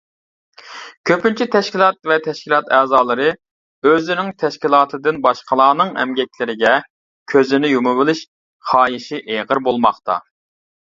كۆپىنچە تەشكىلات ۋە تەشكىلات ئەزالىرى ئۆزىنىڭ تەشكىلاتىدىن باشقىلارنىڭ ئەمگەكلىرىگە كۆزىنى يۇمۇۋېلىش خاھىشى ئېغىر بولماقتا.